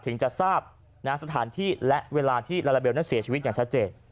ถึงจะทราบสถานที่และเวลาที่ลาลาเบลนั้นเสียชีวิตอย่างชัดเจน